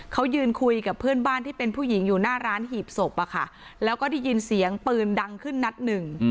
เขายืนคุยกับเพื่อนบ้านที่เป็นผู้หญิงอยู่หน้าร้านหีบศพแล้วก็ได้ยินเสียงปืนดังขึ้นนัดหนึ่ง